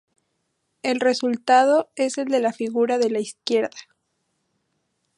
El resultado es el de la figura de la izquierda.